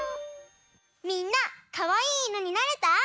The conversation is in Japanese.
みんなかわいいいぬになれた？